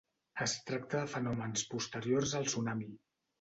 Es tracta de fenòmens posteriors al tsunami.